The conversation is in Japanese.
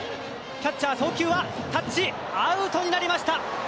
キャッチャー送球はタッチアウトになりました。